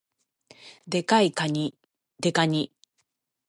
デカいかに、デカニ